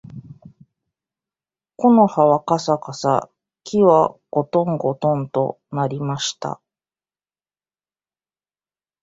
木の葉はかさかさ、木はごとんごとんと鳴りました